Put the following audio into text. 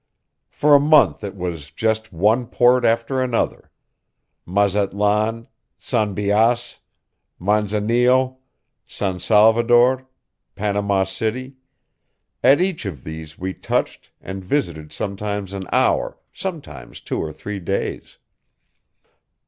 For a month it was "just one port after another." Mazatlan, San Bias, Manzanillo, San Salvador, Panama City at each of these we touched, and visited sometimes an hour, sometimes two or three days.